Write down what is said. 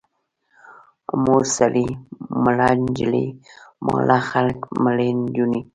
مور سړی، مړه نجلۍ، ماړه خلک، مړې نجونې.